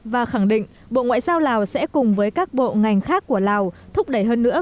và khẳng định bộ ngoại giao lào sẽ cùng với các bộ ngành khác của lào thúc đẩy hơn nữa